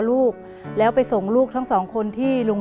เปลี่ยนเพลงเพลงเก่งของคุณและข้ามผิดได้๑คำ